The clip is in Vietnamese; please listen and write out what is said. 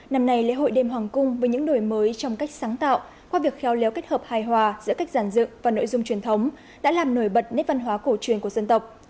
năm nay lễ hội đêm hoàng cung với những đổi mới trong cách sáng tạo qua việc khéo léo kết hợp hài hòa giữa cách giàn dựng và nội dung truyền thống đã làm nổi bật nét văn hóa cổ truyền của dân tộc